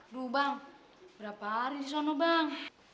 dulu bang berapa hari di sana bang